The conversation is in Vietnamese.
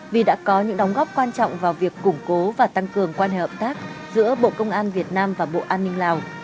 vì đã có những đóng góp quan trọng vào việc củng cố và tăng cường quan hệ hợp tác giữa bộ công an việt nam và bộ an ninh lào